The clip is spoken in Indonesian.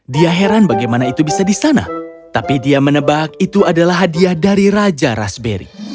dia heran bagaimana itu bisa di sana tapi dia menebak itu adalah hadiah dari raja raspberry